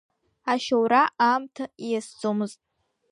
Ашьоура аамҭа ииасӡомызт.